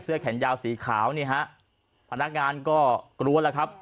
แขนยาวสีขาวนี่ฮะพนักงานก็กลัวแล้วครับ